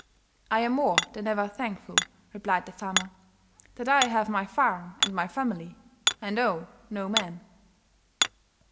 "I am more than ever thankful," replied the farmer, "that I have my farm and my family, and owe no man."